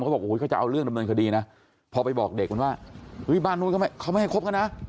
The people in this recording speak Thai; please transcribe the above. บอกโอ้โหเขาจะเอาเรื่องดำเนินคดีนะพอไปบอกเด็กมันว่าเฮ้ยบ้านนู้นเขาไม่ให้คบกันนะ